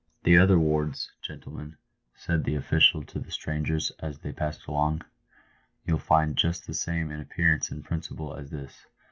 " The other wards, gentlemen," said the official to the strangers as they passed along, " you'll find just the same in appearance and prin ciple as this.